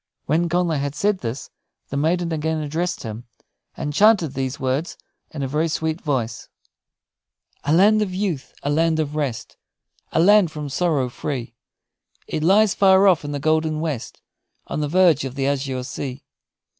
When Connla had said this, the maiden again addressed him, and chanted these words in a very sweet voice: "A land of youth, a land of rest, A land from sorrow free; It lies far off in the golden west, On the verge of the azure sea.